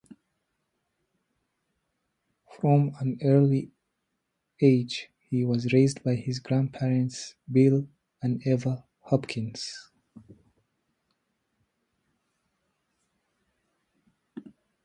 From an early age he was raised by his grandparents, Bill and Eva Hopkins.